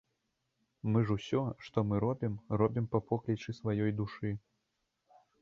Мы ж усё, што мы робім, робім па поклічы сваёй душы.